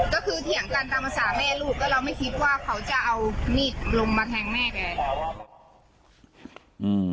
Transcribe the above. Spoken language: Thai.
ก็คือเถียงกันตามภาษาแม่ลูกแล้วเราไม่คิดว่าเขาจะเอามีดลงมาแทงแม่แกอืม